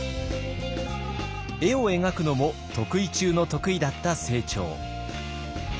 絵を描くのも得意中の得意だった清張。